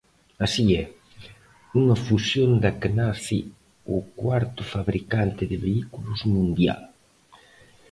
Así é, unha fusión da que nace o cuarto fabricante de vehículos mundial.